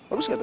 bagus gak tuh